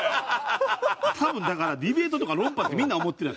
多分だからディベートとか論破ってみんな思ってるやん？